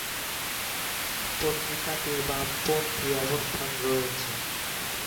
পত্রিকাটির বামপন্থী অবস্থান রয়েছে।